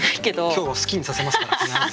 今日は好きにさせますから必ず！